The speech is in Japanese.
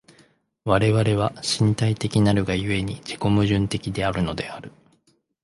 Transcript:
我々は身体的なるが故に、自己矛盾的であるのである。